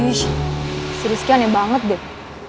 ih si rizky aneh banget deh